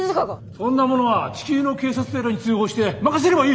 そんなものは地球の警察とやらに通報して任せればいい！